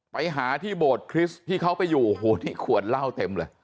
ไปหาที่โบสถคริสต์ที่เขาไปอยู่โอ้โหที่ขวดเหล้าเต็มเลย